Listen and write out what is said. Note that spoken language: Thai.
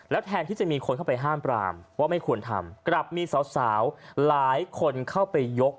แทนที่จะมีคนเข้าไปห้ามปรามว่าไม่ควรทำกลับมีสาวหลายคนเข้าไปยก